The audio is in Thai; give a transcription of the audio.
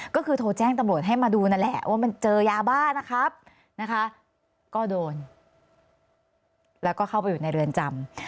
ก็คือโทรแจ้งตำรวจให้มาดูนั่นแหละว่ามันเจอยาบ้านะครับนะคะก็โดนแล้วก็เข้าไปอยู่ในเรือนจำ